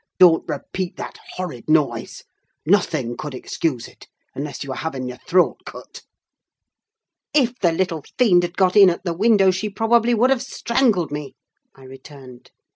don't repeat that horrid noise: nothing could excuse it, unless you were having your throat cut!" "If the little fiend had got in at the window, she probably would have strangled me!" I returned.